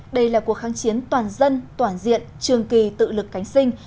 đây là cuộc kháng chiến toàn dân toàn diện trường kỳ tự lực cánh sinh